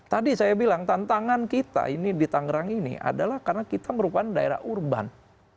tadi saya bilang tantangan kita ini di tangerang ini adalah karena kita merupakan daerah urban